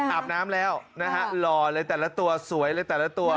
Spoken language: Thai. อาบน้ำแล้วนะฮะหล่อเลยแต่ละตัวสวยเลยแต่ละตัว